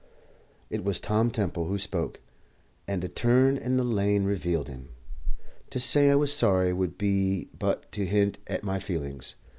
It was Tom Temple who spoke, and a turn in the lane revealed him. To say I was sorry would be but to hint at my feelings.